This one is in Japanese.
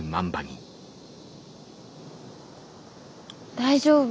大丈夫？